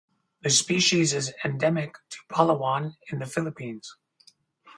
The species is endemic to Palawan in the Philippines.